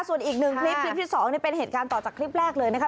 ส่วนอีกหนึ่งคลิปคลิปที่๒นี่เป็นเหตุการณ์ต่อจากคลิปแรกเลยนะคะ